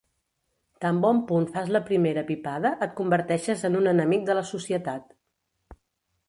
Tan bon punt fas la primera pipada, et converteixes en un enemic de la societat.